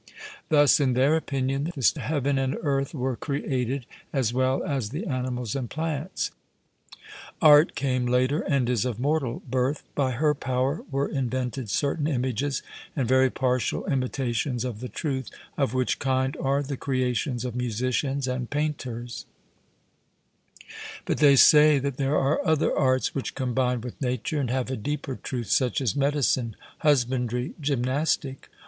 Thus, in their opinion, the heaven and earth were created, as well as the animals and plants. Art came later, and is of mortal birth; by her power were invented certain images and very partial imitations of the truth, of which kind are the creations of musicians and painters: but they say that there are other arts which combine with nature, and have a deeper truth, such as medicine, husbandry, gymnastic.